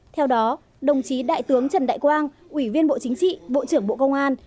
theo đó đồng chí đại tướng trần đại quang ủy viên bộ chính trị bộ trưởng bộ công an